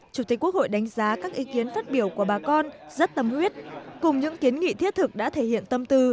chủ tịch quốc hội đánh giá các ý kiến phát biểu của bà con rất tâm huyết cùng những kiến nghị thiết thực đã thể hiện tâm tư